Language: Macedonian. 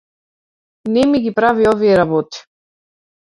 Не ми ги прави овие работи.